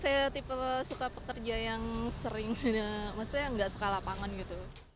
karena emang saya tipe suka pekerja yang sering maksudnya yang tidak suka lapangan gitu